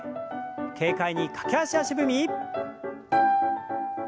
軽快に駆け足足踏み。